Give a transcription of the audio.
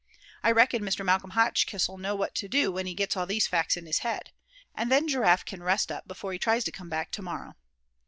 I reckon Mr. Malcolm Hotchkiss'll know what to do when he gets all these facts in his head. And then Giraffe can rest up before he tries to come back to morrow."